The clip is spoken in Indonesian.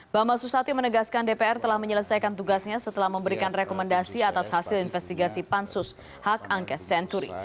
bambang susatyo menegaskan dpr telah menyelesaikan tugasnya setelah memberikan rekomendasi atas hasil investigasi pansus hak angket senturi